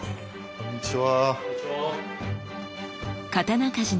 こんにちは。